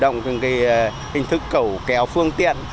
động hình thức cầu kéo phương tiện